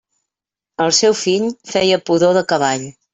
El seu fill feia pudor de cavall.